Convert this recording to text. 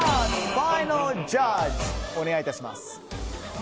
ファイナルジャッジお願いします。